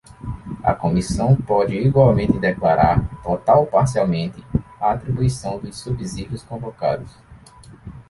A comissão pode igualmente declarar, total ou parcialmente, a atribuição dos subsídios convocados.